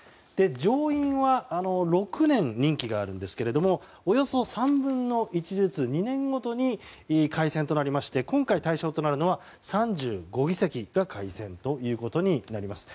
上院は６年任期があるんですがおよそ３分の１ずつ２年ごとに改選となりまして今回、対象となるのは３５議席が改選となります。